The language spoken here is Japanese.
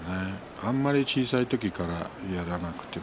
あまり小さい時からやらなくても。